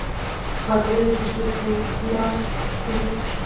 پاتې نه دی، دلته هیڅ یو ولاړ څلی